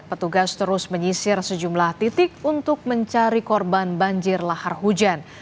petugas terus menyisir sejumlah titik untuk mencari korban banjir lahar hujan